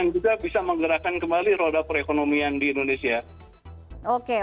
juga bisa menggerakkan kembali roda perekonomian di indonesia